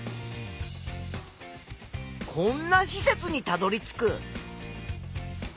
こんな施設にたどりつく。